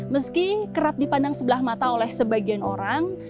meski kerap dipandang sebelah mata oleh sebagian orang